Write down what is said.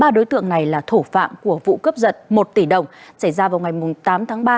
ba đối tượng này là thủ phạm của vụ cướp giật một tỷ đồng xảy ra vào ngày tám tháng ba